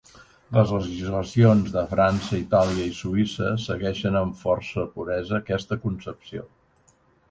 Les legislacions de França, Itàlia i Suïssa segueixen amb força puresa aquesta concepció.